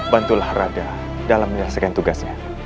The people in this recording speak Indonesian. bantulah rada dalam menyelesaikan tugasnya